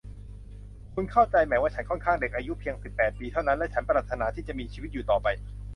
คุณเข้าใจไหมว่าฉันค่อนข้างเด็ก อายุเพียงสิบแปดปีเท่านั้น และฉันปรารถนาที่จะมีชีวิตอยู่ต่อไป